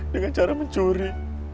dengan cara mencuri